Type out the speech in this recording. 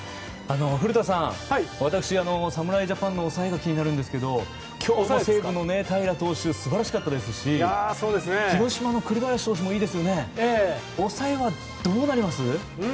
古田さん、私侍ジャパンの抑えが気になりますが今日もセーブした平良投手、素晴らしかったですし広島の栗林選手も良かったですから抑えはどうなります？